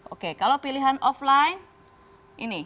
oke kalau pilihan offline ini